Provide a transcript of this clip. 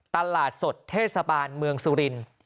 ตลาดสดเทศบาลเมืองสุรินทร์